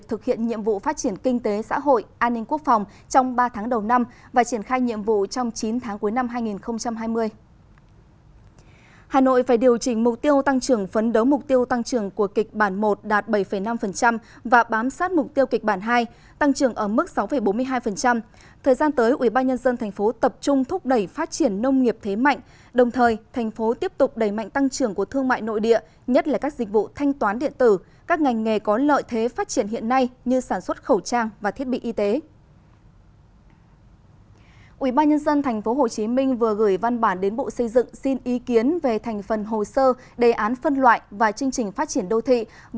thành phố hồ chí minh vừa gửi văn bản đến bộ xây dựng xin ý kiến về thành phần hồ sơ đề án phân loại và chương trình phát triển đô thị với trường hợp thành phố phía đông trực thuộc thành phố hồ chí minh